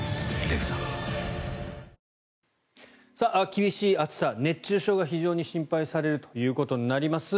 厳しい暑さ熱中症が非常に心配されるということになります。